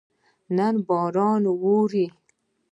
نن باران اوري